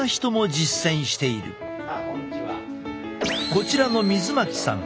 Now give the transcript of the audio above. こちらの水牧さん。